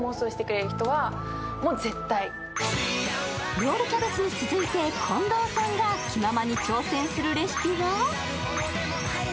ロールキャベツに続いて近藤さんが気ままに挑戦するレシピは。